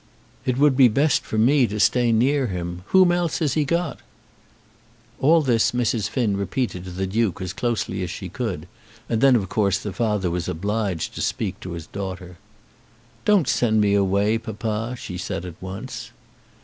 "It would be best for me to stay near him. Whom else has he got?" All this Mrs. Finn repeated to the Duke as closely as she could, and then of course the father was obliged to speak to his daughter. "Don't send me away, papa," she said at once.